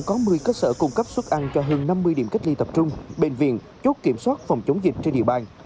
có một mươi cơ sở cung cấp xuất ăn cho hơn năm mươi điểm cách ly tập trung bệnh viện chốt kiểm soát phòng chống dịch trên địa bàn